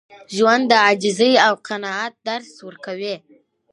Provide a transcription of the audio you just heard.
ژوند د عاجزۍ او قناعت درس ورکوي.